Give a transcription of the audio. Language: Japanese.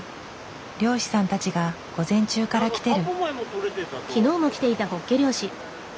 漁師さんたちが午前中から来てる。